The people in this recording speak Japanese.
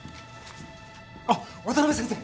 あっ渡辺先生！